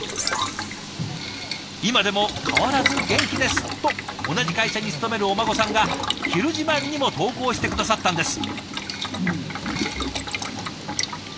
「今でも変わらず元気です」と同じ会社に勤めるお孫さんが「ひる自慢」にも投稿して下さったんです。